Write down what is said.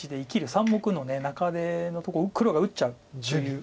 三目の中手のところを黒が打っちゃうっていう。